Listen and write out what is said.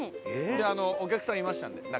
お客さんいましたんで中。